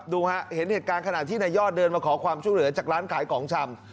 ดูฮะเห็นเหตุการณ์ขณะที่นายยอดเดินมาขอความช่วยเหลือจากร้านขายของชำ